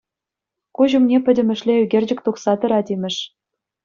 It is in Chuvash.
Куҫ умне пӗтӗмӗшле ӳкерчӗк тухса тӑрать имӗш.